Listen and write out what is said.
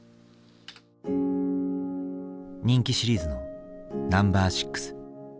人気シリーズの「ＮＯ．６」。